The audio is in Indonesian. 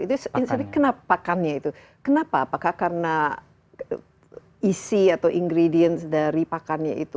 itu jadi kenapa pakannya itu kenapa apakah karena isi atau ingredients dari pakannya itu